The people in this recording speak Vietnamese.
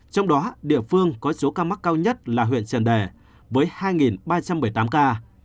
trong đó địa phương có số ca mắc cao nhất là huyện trần đẻ với hai ba trăm một mươi tám ca